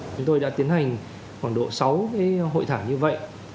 chúng tôi đã tiến hành khoảng độ sáu hội thảo như vậy